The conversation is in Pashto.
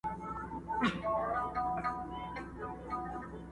لا یې ساړه دي د برګونو سیوري؛